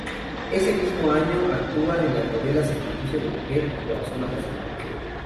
Ese mismo año actúa en las novelas "Sacrificio de mujer" y "Corazón apasionado".